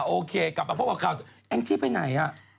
โอเคกลับมาพบกับข่าวแองจี้ไปไหนอ่ะ